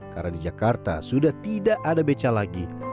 karena di jakarta sudah tidak ada beca lagi